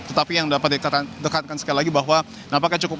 tetapi yang dapat didekatkan sekali lagi bahwa nampaknya cukup